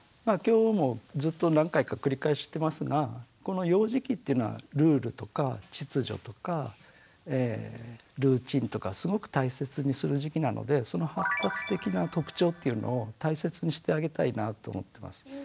今日もずっと何回か繰り返してますがこの幼児期っていうのはルールとか秩序とかルーチンとかすごく大切にする時期なのでその発達的な特徴っていうのを大切にしてあげたいなと思ってます。